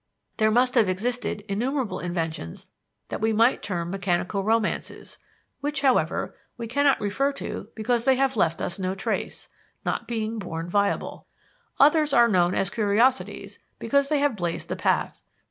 There must have existed innumerable inventions that we might term mechanical romances, which, however, we cannot refer to because they have left us no trace, not being born viable. Others are known as curiosities because they have blazed the path.